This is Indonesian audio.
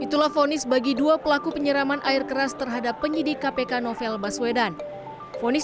itulah fonis bagi dua pelaku penyeraman air keras terhadap penyidik kpk novel baswedan ponis